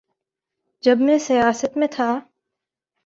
جب میں سیاست میں تھا۔